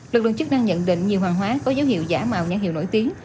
lực lượng chức năng nhận định nhiều hàng hóa có dấu hiệu giả mạo nhãn hiệu nổi tiếng